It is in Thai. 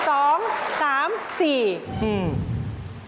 โอ้โฮ